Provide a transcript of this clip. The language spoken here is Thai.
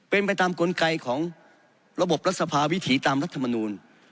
เป็นไปตามกลไกของระบบรัฐสภาวิถีตามรัฐมนูล